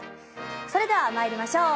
それでは参りましょう。